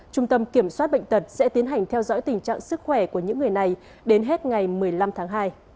trung tâm kiểm soát bệnh tật sẽ tiến hành theo dõi tình trạng sức khỏe của những người này đến hết ngày một mươi năm tháng hai